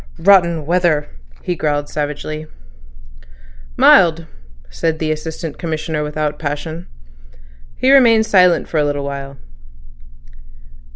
"Rotten weather," he growled savagely. "Mild," said the Assistant Commissioner without passion. He remained silent for a little while.